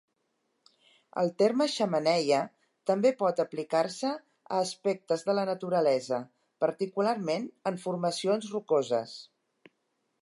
El terme xemeneia també pot aplicar-se a aspectes de la naturalesa, particularment en formacions rocoses.